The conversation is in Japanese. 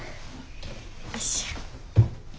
よいしょ。